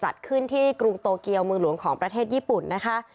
จัดขึ้นที่กรุงโตเกียวเมืองหลวงของประเทศญี่ปุ่นนะคะ